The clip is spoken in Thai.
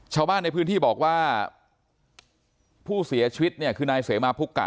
ชาวบ้านในพื้นที่บอกว่าผู้เสียชีวิตเนี่ยคือนายเสมาพุกกะ